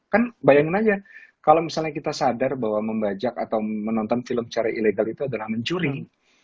kan bayangin aja kalau misalnya kita sadar bahwa membajak atau menonton film secara ilegal itu adalah mencuri